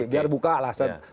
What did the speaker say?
biar buka lah